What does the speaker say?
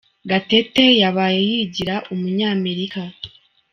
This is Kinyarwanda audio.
Gatete yababaye yigira umunyamerika